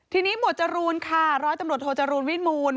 ทีนี้หมวดจรูนค่ะร้อยตำรวจโทจรูลวิมูล